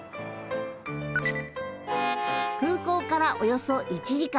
空港からおよそ１時間。